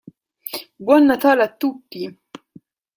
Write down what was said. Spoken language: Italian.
Buon Natale a tutti!